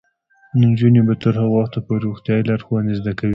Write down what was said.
نجونې به تر هغه وخته پورې روغتیايي لارښوونې زده کوي.